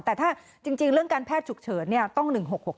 แต่ถ้าจริงเรื่องการแพทย์ฉุกเฉินต้อง๑๖๖